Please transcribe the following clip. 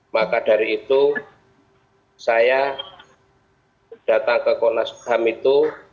maka dari itu saya datang ke komnas ham itu